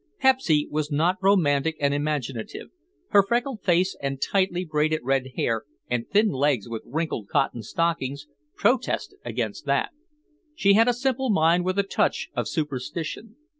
Pepsy was not romantic and imaginative; her freckled face and tightly braided red hair and thin legs with wrinkled cotton stockings, protested against that. She had a simple mind with a touch of superstition.